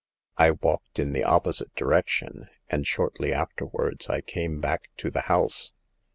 I w^alked in the opposite direction, and shortly afterwards I came back to the house.